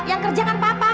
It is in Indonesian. yang kerja kan papa